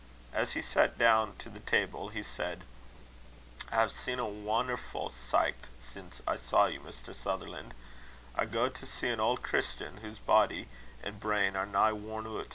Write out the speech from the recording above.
As he sat down to the table, he said: "I hae seen a wonnerfu' sicht sin' I saw you, Mr. Sutherlan'. I gaed to see an auld Christian, whase body an' brain are nigh worn oot.